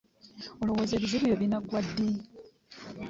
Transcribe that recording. Olowooza ebizibu byo binagwa ddi?